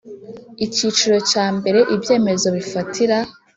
Icyiciro cya mbere Ibyemezo bifatira